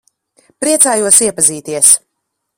Priecājos iepazīties.